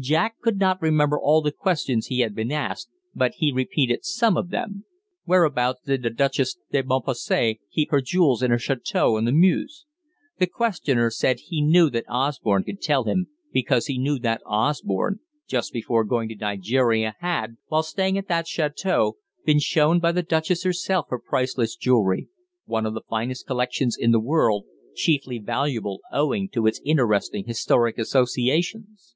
Jack could not remember all the questions he had been asked, but he repeated some of them. Whereabouts did the Duchesse de Montparnasse keep her jewels in her château on the Meuse? The questioner said he knew that Osborne could tell him, because he knew that Osborne, just before going to Nigeria, had, while staying at that château, been shown by the Duchesse herself her priceless jewellery one of the finest collections in the world, chiefly valuable owing to its interesting historic associations.